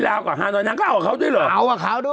หาหน่อยนางก็เอาออกเขาด้วยหรอเอาออกเขาด้วย